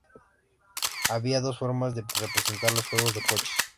Había dos formas de representar los juegos de coches.